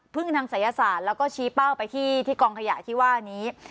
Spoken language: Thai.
ทางศัยศาสตร์แล้วก็ชี้เป้าไปที่กองขยะที่ว่านี้